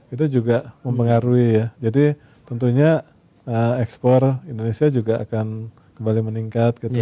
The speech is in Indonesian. itu juga mempengaruhi ya jadi tentunya ekspor indonesia juga akan kembali meningkat